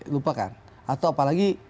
lupakan atau apalagi